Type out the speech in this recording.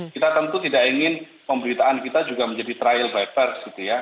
kita tentu tidak ingin pemberitaan kita juga menjadi trial bypers gitu ya